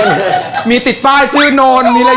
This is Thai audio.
สวัสดีครับกลับเลยใช่ปะครับ